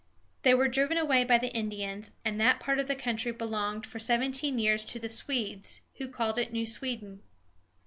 They were driven away by the Indians, and that part of the country belonged for seventeen years to the Swedes, who called it New Sweden.